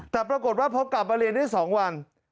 แต่ปรากฏว่าพอกลับมาเรียนได้๒วัน